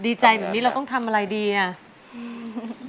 ดีใจแบบนี้เราต้องทำอะไรดีอ่ะอืม